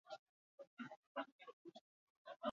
Historia gaiak landu zituen bere idatzietan.